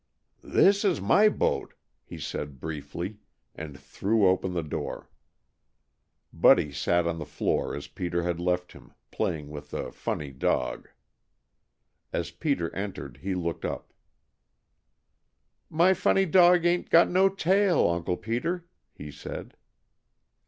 "This is my boat," he said briefly, and threw open the door. Buddy sat on the floor as Peter had left him, playing with the "funny" dog. As Peter entered he looked up. "My funny dog ain't got no tail, Uncle Peter," he said.